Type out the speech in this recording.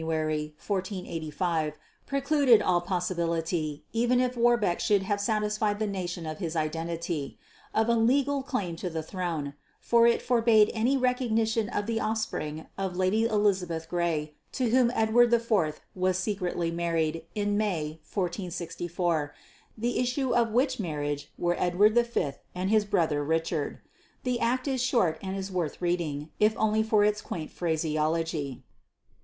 1485, precluded all possibility even if Warbeck should have satisfied the nation of his identity of a legal claim to the throne, for it forbade any recognition of the offspring of Lady Elizabeth Grey to whom Edward IV was secretly married, in May, 1464, the issue of which marriage were Edward V and his brother, Richard. The act is short and is worth reading, if only for its quaint phraseology.